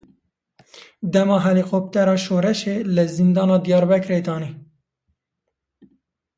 Dema helîkoptera şoreşê li Zindana Diyarbekirê danî.